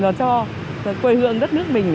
đóng góp một phần cho quê hương đất nước mình